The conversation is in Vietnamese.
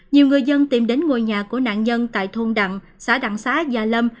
nhiều người dân tìm đến ngôi nhà của nạn nhân tại thôn đặng xã đặng xá gia lâm